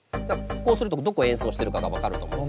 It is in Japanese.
こうするとどこを演奏しているかが分かると思う。